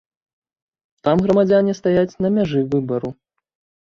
Там грамадзяне стаяць на мяжы выбару.